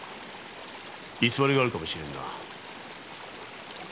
偽りがあるかもしれんな。